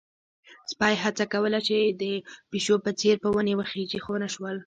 سپی هڅه کوله چې د پيشو په څېر په ونې وخيژي، خو ونه شول.